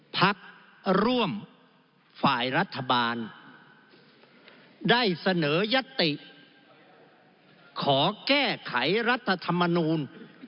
พักร่วมฝ่ายรัฐบาลได้เสนอยัตติขอแก้ไขรัฐธรรมนูล